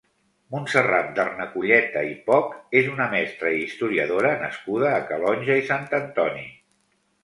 Montserrat Darnaculleta i Poch és una mestra i historiadora nascuda a Calonge i Sant Antoni.